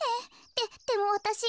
ででもわたし。